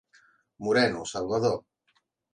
Moreno, Salvador.